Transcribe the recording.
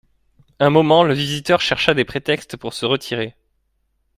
Un moment, le visiteur chercha des prétextes pour se retirer.